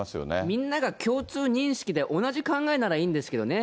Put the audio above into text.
みんなが共通認識で同じ考えならいいんですけどね。